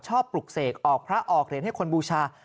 ปลุกเสกออกพระออกเหรียญให้คนบูชา